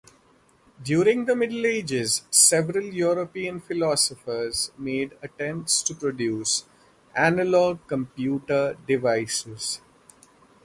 During the Middle Ages, several European philosophers made attempts to produce analog computer devices.